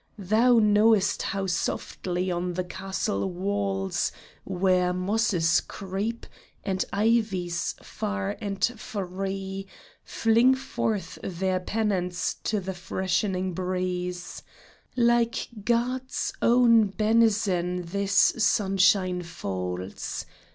Thou knowest how softly on the castle walls, Where mosses creep, and ivys far and free Fling forth their pennants to the freshening breeze, Like God's own benizon this sunshine falls.